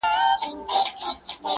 په ځنګلونو کي یې نسل ور پایمال که-